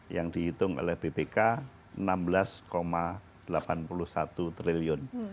yang dihitung oleh bpk rp enam belas delapan puluh satu triliun